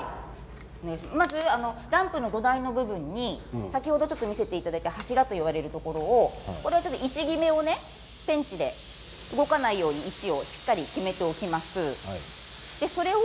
まずランプの土台の部分に先ほど見せていただいた柱といわれる部分をちょっと位置決めをペンチで動かないようしっかりと位置を決めておきます。